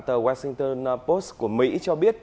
tờ washington post của mỹ cho biết